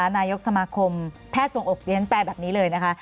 นายกสมาคมแพทย์ทรงอกเรียนแปลแบบนี้เลยนะคะ